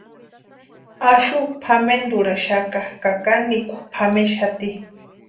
Axu pʼamenturhaxaka ka kanikwa pʼamexati.